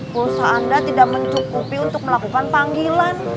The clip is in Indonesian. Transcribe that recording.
pulsa mams tidak cukup untuk melakukan panggilan